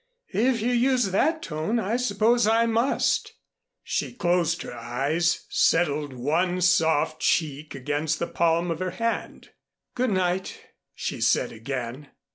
"If you use that tone, I suppose I must." She closed her eyes, settled one soft cheek against the palm of her hand. "Good night," she said again.